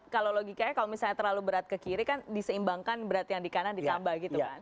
kalau logikanya kalau misalnya terlalu berat ke kiri kan diseimbangkan berat yang di kanan ditambah gitu kan